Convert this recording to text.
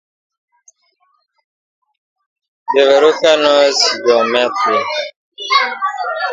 There is very little movement there today, a consequence of the volcano's geometry.